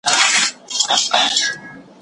چېري بهرنیان د مرستي لپاره مراجعه کوي؟